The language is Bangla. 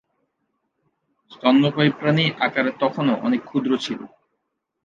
স্তন্যপায়ী প্রাণী আকারে তখনও অনেক ক্ষুদ্র ছিল।